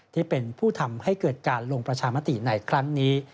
ที่เป็นผู้ทำให้เกิดการลงประชามติในครั้งนี้